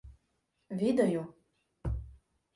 — Відаю.